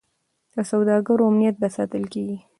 د سوداګرو امنیت به ساتل کیږي.